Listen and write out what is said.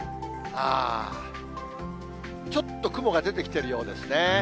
ちょっと雲が出てきてるようですね。